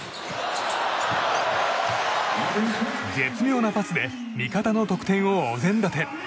絶妙なパスで味方の得点をお膳立て。